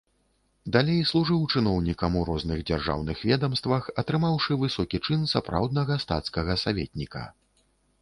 Далей служыў чыноўнікам у розных дзяржаўных ведамствах, атрымаўшы высокі чын сапраўднага стацкага саветніка.